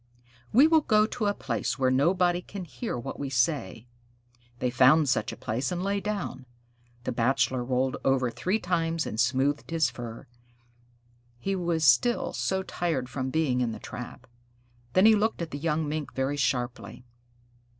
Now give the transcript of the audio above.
We will go to a place where nobody can hear what we say." They found such a place and lay down. The Bachelor rolled over three times and smoothed his fur; he was still so tired from being in the trap. Then he looked at the young Mink very sharply.